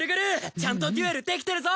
ちゃんとデュエルできてるぞ！